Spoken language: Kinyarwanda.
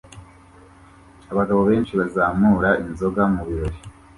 Abagabo benshi bazamura inzoga mu birori